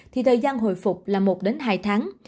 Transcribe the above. thì thời gian hồi phục là một hai tháng